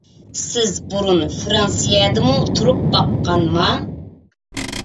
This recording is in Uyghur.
سىز بۇرۇن فىرانسىيەدىمۇ تۇرۇپ باققانما؟